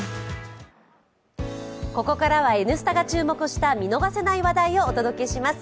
ここからは「Ｎスタ」が注目した見逃せない話題をお届けします。